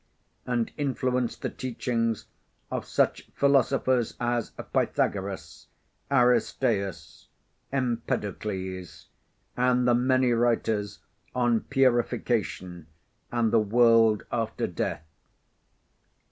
and influenced the teachings of such philosophers as Pythagoras, Aristeas, Empedocles, and the many writers on purification and the world after death.